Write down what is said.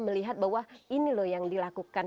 melihat bahwa ini loh yang dilakukan